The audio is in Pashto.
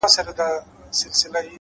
هره لاسته راوړنه ژمنتیا غواړي؛